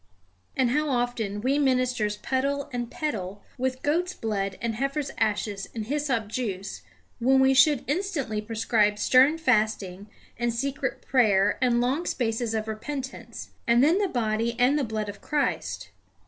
And how often we ministers puddle and peddle with goat's blood and heifer's ashes and hyssop juice when we should instantly prescribe stern fasting and secret prayer and long spaces of repentance, and then the body and the blood of Christ.